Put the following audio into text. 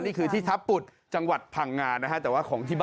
นี่คือที่ท้ะปุฏจังหวัดผังงานนะครับ